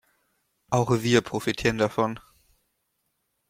Auch wir profitieren davon.